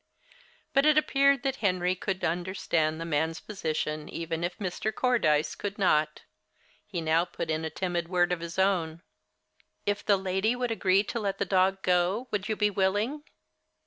But it appeared that Henry could understand the man's position even if Mr. Cordyce could not. He now put in a timid word of his own. "If the lady would agree to let the dog go, would you be willing?"